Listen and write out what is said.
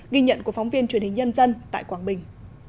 ghi nhận của phóng viên truyền hình nhân dân tại quảng bình